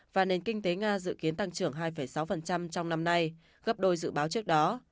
và nền kinh tế nga dự kiến tăng trưởng hai sáu trong năm nay gấp đôi dự báo trước đó